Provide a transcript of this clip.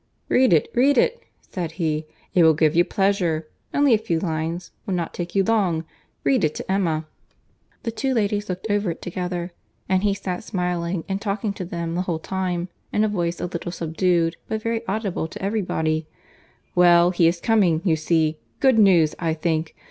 "Read it, read it," said he, "it will give you pleasure; only a few lines—will not take you long; read it to Emma." The two ladies looked over it together; and he sat smiling and talking to them the whole time, in a voice a little subdued, but very audible to every body. "Well, he is coming, you see; good news, I think.